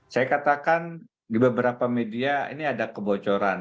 saya katakan di beberapa media ini ada kebocoran